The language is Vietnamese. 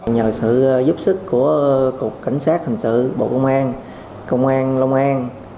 nhờ sự giúp sức của cục cảnh sát hình sự bộ công an công an long an